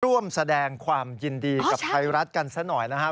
ร่วมแสดงความยินดีกับไทยรัฐกันซะหน่อยนะครับ